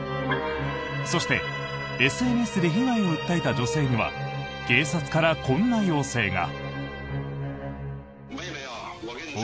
そしてＳＮＳで被害を訴えた女性には警察からこんな要請が。